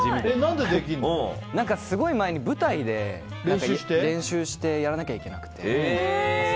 すごい前に舞台で練習してやらなきゃいけなくて。